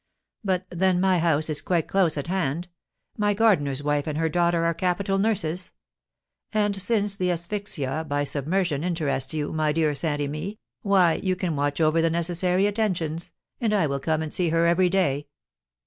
But then my house is quite close at hand, my gardener's wife and her daughter are capital nurses; and since this asphyxia by submersion interests you, my dear Saint Remy, why, you can watch over the necessary attentions, and I will come and see her every day."